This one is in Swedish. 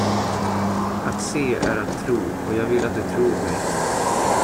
Att se är att tro och jag vill att du tror mig.